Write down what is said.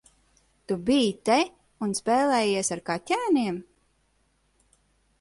Tu biji te un spēlējies ar kaķēniem?